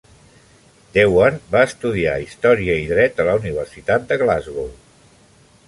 Dewar va estudiar Història i Dret a la Universitat de Glasgow.